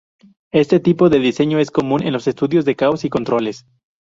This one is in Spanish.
Este tipo de diseño es común en los estudios de casos y controles.